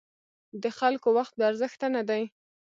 د خلکو وخت بې ارزښته نه دی.